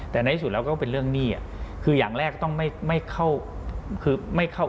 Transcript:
แต่ในที่สุดแล้วก็เป็นเรื่องหนี้อ่ะคืออย่างแรกต้องไม่เข้า